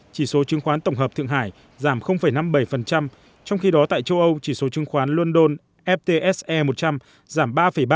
chỉ số chứng khoán tổng hợp thượng hải giảm năm mươi bảy trong khi đó tại châu âu chỉ số chứng khoán london ftse một trăm linh giảm ba ba